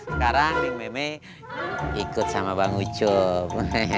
sekarang nek me me ikut sama bang ucup